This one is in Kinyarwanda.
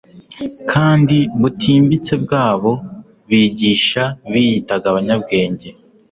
kandi butimbitse bw'abo bigisha biyitaga abanyabwenge,